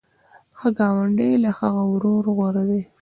ښه ګاونډی له هغه ورور غوره دی.